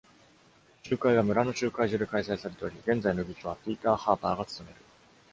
集会は村の集会所で開催されており、現在の議長はピーター・ハーパーが務める。